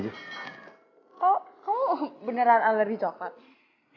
kok kamu beneran alergi coklat